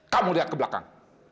kamu lihat ke belakang